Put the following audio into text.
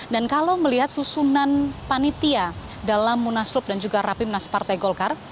dan kalau melihat susunan panitia dalam munaslup dan juga rapim naspartai golkar